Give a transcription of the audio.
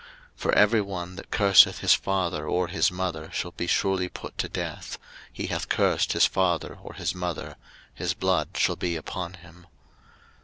03:020:009 For every one that curseth his father or his mother shall be surely put to death: he hath cursed his father or his mother; his blood shall be upon him.